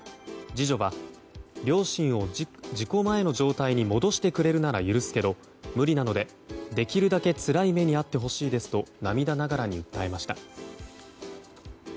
次女は、両親を事故前の状態に戻してくれるなら許すけど無理なので、できるだけつらい目に遭ってほしいですと涙ながらに訴えました。